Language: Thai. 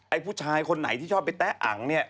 ผู้ชายคนไหนที่ชอบไปแตะอังเนี่ย